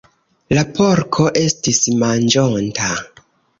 La porko estis manĝonta.